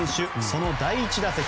その第１打席。